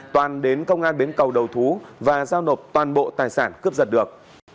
toàn đến công an bến cầu đầu thú và giao nộp toàn bộ tài sản cướp giật được